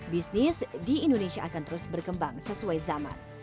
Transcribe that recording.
bisnis di indonesia akan terus berkembang sesuai zaman